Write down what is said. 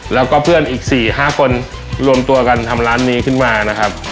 แล้วก็เพื่อนอีก๔๕คนรวมตัวกันทำร้านนี้ขึ้นมานะครับ